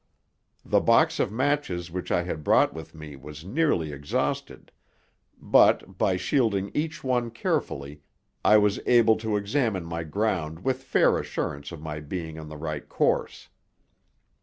The box of matches which I had brought with me was nearly exhausted, but, by shielding each one carefully, I was able to examine my ground with fair assurance of my being in the right course.